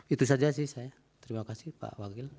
itu saja sih saya terima kasih pak wakil